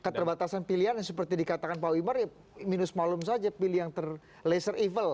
keterbatasan pilihan seperti dikatakan pak wimar ya minus malum saja pilih yang terlaser evil